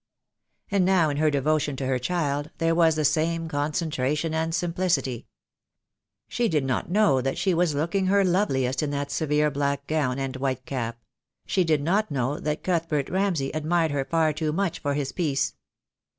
And now in her devotion to her child there was the same concentration and simplicity. She did not know that she I4O THE DAY WILL COME. was looking her loveliest, in that severe black gown and white cap; she did not know that Cuthbert Ramsay ad mired her far too much for his peace.